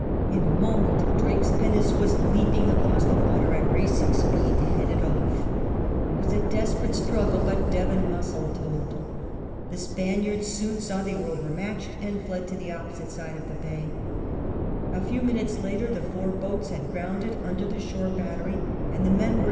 In a moment Drake's pinnace was leaping across the water at racing speed to head it off It was a desperate struggle, but Devon muscle told. The Spaniards soon saw they were overmatched, and fled to the opposite side of the bay. A few minutes later the four boats had grounded under the shore battery, and the men were 26 SIR FRANCIS DRAKE chap.